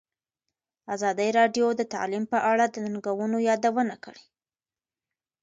ازادي راډیو د تعلیم په اړه د ننګونو یادونه کړې.